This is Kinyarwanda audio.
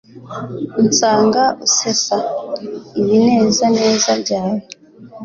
unsanga usesa ibinezaneza byawe